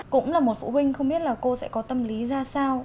cũng là một phụ huynh không biết là cô sẽ có tâm lý ra sao